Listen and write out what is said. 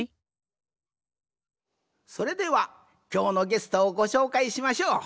それではきょうのゲストをごしょうかいしましょう。